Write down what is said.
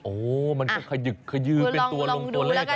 โอ้มันคือขยืบเป็นตัวมงคลเลขกันนะลองดูแล้วกัน